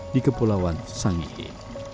di kepulauan sangihe